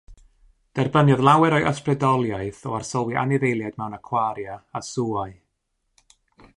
Derbyniodd lawer o'i ysbrydoliaeth o arsylwi anifeiliaid mewn acwaria a sŵau.